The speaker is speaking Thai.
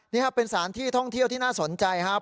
นี่ครับเป็นสถานที่ท่องเที่ยวที่น่าสนใจครับ